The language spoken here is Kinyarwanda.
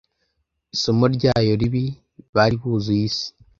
Isomo ryayo ribi, bari buzuye isi